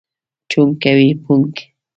چونګ کوې که پونګ؟